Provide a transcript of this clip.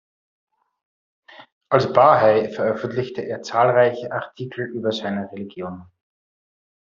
Als Bahai veröffentlichte er zahlreiche Artikel über seine Religion.